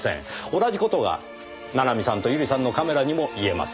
同じ事が七海さんと百合さんのカメラにも言えます。